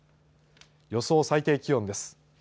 予想最低気温です。